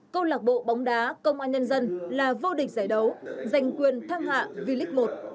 câu lạc bộ bóng đá công an nhân dân là vô địch giải đấu giành quyền thăng hạ v lic một